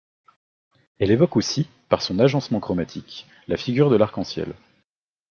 Elle évoque aussi par son agencement chromatique la figure de l’arc-en-ciel.